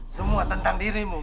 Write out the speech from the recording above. semua tentang dirimu